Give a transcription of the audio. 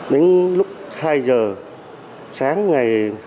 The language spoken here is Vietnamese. đến lúc hai giờ sáng ngày hai mươi hai